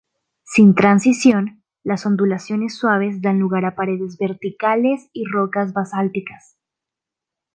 Sin transición, las ondulaciones suaves dan lugar a paredes verticales y rocas basálticas.